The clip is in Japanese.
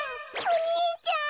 お兄ちゃん。